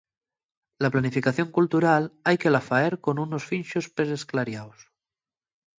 La planificación cultural hai que la faer con unos finxos peresclariaos.